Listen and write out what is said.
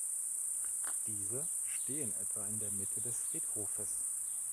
Diese stehen etwa in der Mitte des Friedhofes.